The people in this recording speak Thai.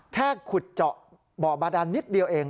ขุดเจาะบ่อบาดานนิดเดียวเอง